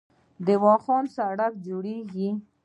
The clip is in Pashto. د واخان سړک جوړیږي